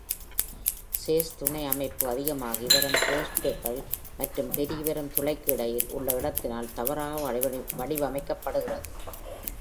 சேஸ்-துணை அமைப்பு அதிகமாகி வரும் போல்ட்டுகள் மற்றும் பெருகிவரும் துளைக்கு இடையில் உள்ள இடத்தினால் தவறாக வடிவமைக்கப்படுகிறது.